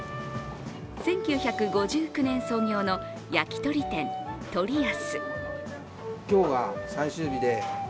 １９５９年創業の焼き鳥店、とり安。